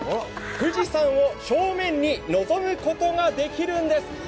富士山を正面に臨むことができるんです。